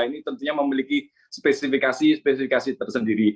ini tentunya memiliki spesifikasi spesifikasi tersendiri